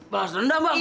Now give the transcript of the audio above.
balas dendam bang